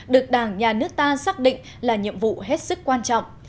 được đảng nhà nước ta xác định là nhiệm vụ hết sức quan trọng